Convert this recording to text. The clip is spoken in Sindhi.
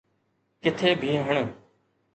ڪٿي بيهڻ.